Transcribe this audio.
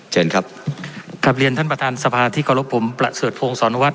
เชิญครับครับเรียนท่านประธานสภาที่กรปมประเสริฐโพงสอนวัด